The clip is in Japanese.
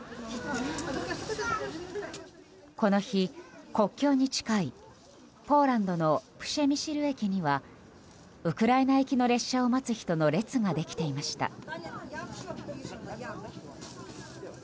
この日、国境に近いポーランドのプシェミシル駅にはウクライナ行きの列車を待つ人の列ができていました。